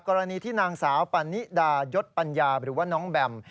กรณีที่นางสาวปานิดายศปัญญาหรือว่าน้องแบม